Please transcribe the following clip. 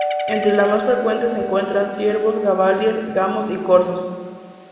Entre las más frecuentes se encuentran: ciervos, jabalíes, gamos y corzos.